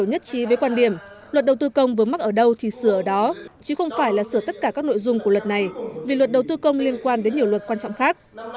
nó sẽ đúng với những cái luật khác